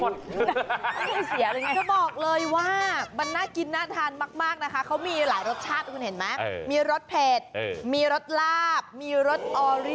แล้วถ้ามันจะเข้ากันกว่ามันต้องมีอะไร